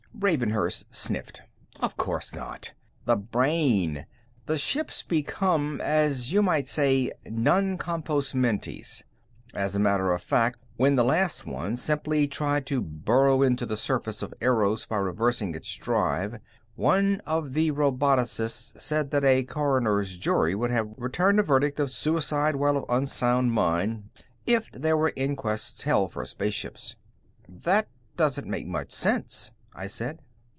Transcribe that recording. Ravenhurst sniffed. "Of course not. The brain. The ships became, as you might say, non compos mentis. As a matter of fact, when the last one simply tried to burrow into the surface of Eros by reversing its drive, one of the roboticists said that a coroner's jury would have returned a verdict of 'suicide while of unsound mind' if there were inquests held for spaceships." "That doesn't make much sense," I said.